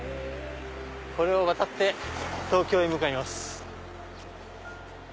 これを渡って東京へ向かいます。